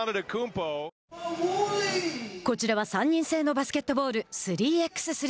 こちらは３人制のバスケットボール３ｘ３。